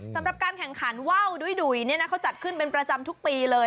สำหรับการแข่งขันว่าวดุ้ยเนี่ยนะเขาจัดขึ้นเป็นประจำทุกปีเลย